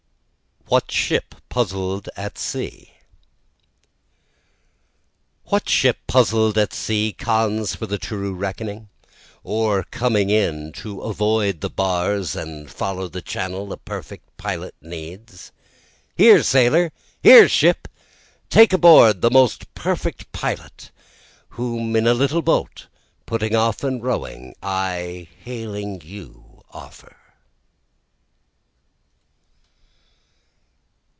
What Ship Puzzled at Sea What ship puzzled at sea, cons for the true reckoning? Or coming in, to avoid the bars and follow the channel a perfect pilot needs? Here, sailor! here, ship! take aboard the most perfect pilot, Whom, in a little boat, putting off and rowing, I hailing you offer.